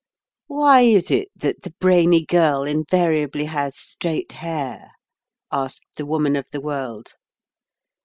"Why is it that the brainy girl invariably has straight hair?" asked the Woman of the World.